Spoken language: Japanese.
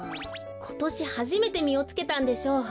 ことしはじめてみをつけたんでしょう。